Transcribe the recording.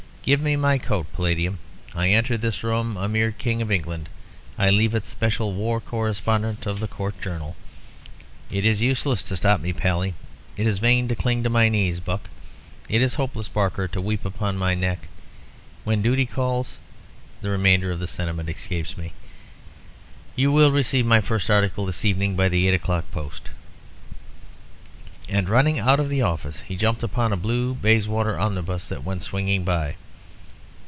Give me my coat, Paladium. I entered this room a mere King of England. I leave it, Special War Correspondent of the Court Journal. It is useless to stop me, Pally; it is vain to cling to my knees, Buck; it is hopeless, Barker, to weep upon my neck. 'When duty calls' the remainder of the sentiment escapes me. You will receive my first article this evening by the eight o'clock post." And, running out of the office, he jumped upon a blue Bayswater omnibus that went swinging by.